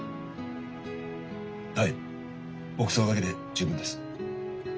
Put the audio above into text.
はい牧草だけで十分です。